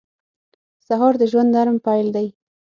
سهار د ژوند نرم پیل دی.